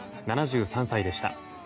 ７３歳でした。